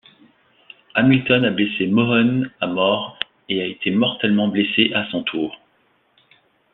Hamilton a blessé Mohun à mort et a été mortellement blessé à son tour.